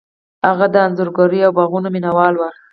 هغه د انځورګرۍ او باغونو مینه وال و.